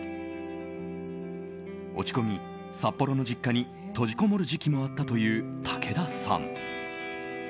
落ち込み札幌の実家に閉じこもる時期もあったという武田さん。